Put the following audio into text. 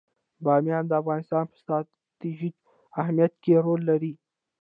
بامیان د افغانستان په ستراتیژیک اهمیت کې رول لري.